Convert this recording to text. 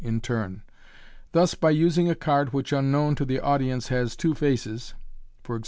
135 in turn. Thus, by using a card which, unknown to the audience, has two faces — e.g.